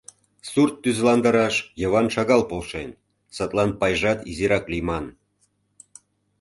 Сурт тӱзландараш Йыван шагал полшен, садлан пайжат изирак лийман.